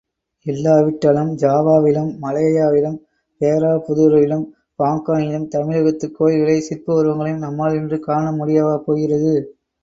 இல்லாவிட்டால் ஜாவாவிலும், மலேயாவிலும், போராபுதூரிலும், பாங்காங்கிலும் தமிழகத்துக் கோயில்களையும் சிற்ப உருவங்களையும் நம்மால் இன்றும் காண முடியவா போகிறது?